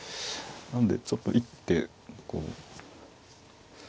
なのでちょっと一手こう。